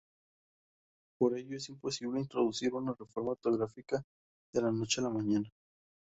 Por ello es imposible introducir una reforma ortográfica "de la noche a la mañana".